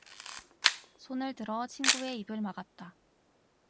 손을 들어 친구의 입을 막았다.